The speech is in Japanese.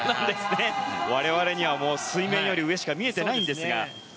我々には水面より上しか見えていないんですが。